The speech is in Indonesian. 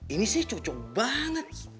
ini sih cocok banget